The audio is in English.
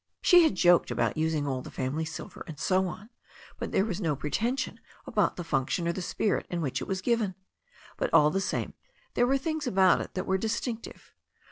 She had joked about using all the family silver, and so on, but there was no pretension about the fimction or the spirit in which it was given. But, all the same, there were things about it that were distinctive.